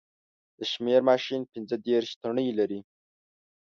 د شمېر ماشین پینځه دېرش تڼۍ لري